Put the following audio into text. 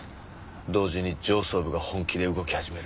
同時に上層部が本気で動き始める。